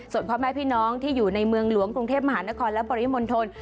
ส่วนพ่อแม่พี่น้องที่อยู่ในเมืองหลวงกรุงเทพมหานครและปริมณฑล